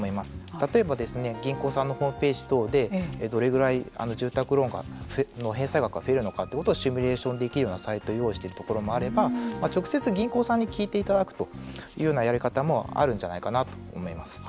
例えば銀行さんのホームページ等でどれくらい住宅ローンの返済額が増えるのかということをシミュレーションできるサイトを用意しているところもあれば直接銀行さんに聞いていただくというようなやり方もあるんじゃないかなと思います。